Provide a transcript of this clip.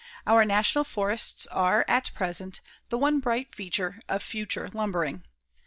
Our National Forests are, at present, the one bright feature of future lumbering.